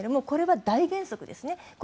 これは大原則ですね。